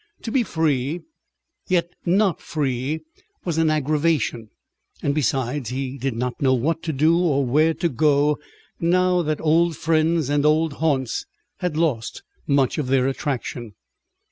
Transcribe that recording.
To be free, yet not free, was an aggravation. And besides, he did not know what to do or where to go, now that old friends and old haunts had lost much of their attraction.